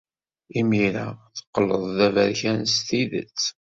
Imir-a teqqleḍ d aberkan s tidet.